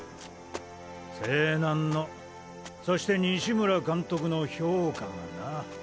勢南のそして西村監督の評価がな。